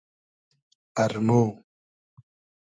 ارمۉ